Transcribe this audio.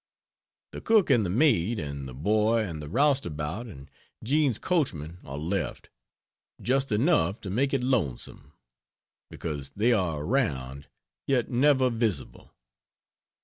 The cook and the maid, and the boy and the roustabout and Jean's coachman are left just enough to make it lonesome, because they are around yet never visible.